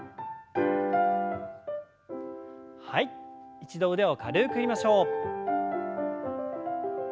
一度腕を軽く振りましょう。